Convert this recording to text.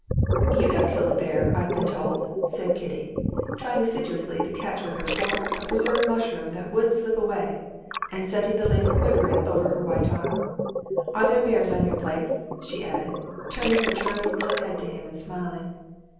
"You have killed a bear, I've been told!" said Kitty, trying assiduously to catch with her fork a perverse mushroom that would slip away, and setting the lace quivering over her white arm. "Are there bears on your place?" she added, turning her charming little head to him and smiling.